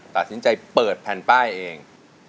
ตัดสินใจเปิดแผ่นป้ายเอง